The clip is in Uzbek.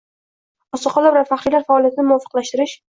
Oqsoqollar va faxriylar faoliyatini muvofiqlashtirish